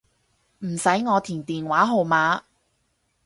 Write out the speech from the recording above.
唔使我填電話號碼